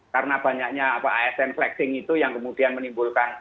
karena banyaknya asn flexing itu yang kemudian menimbulkan